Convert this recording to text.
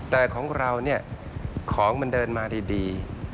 แต่ของเราเนี่ยของมันเดินมาดี